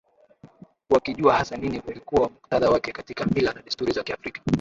wakijua hasa nini ulikuwa muktadha wake katika mila na desturi za Kiafrika